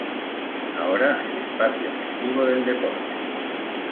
Ahora, el espacio festivo del deporte.